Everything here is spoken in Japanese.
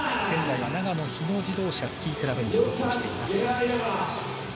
現在は長野日野自動車スキークラブに所属しています。